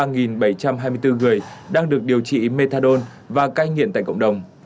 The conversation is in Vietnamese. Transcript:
ba bảy trăm hai mươi bốn người đang được điều trị methadone và cai nghiện tại cộng đồng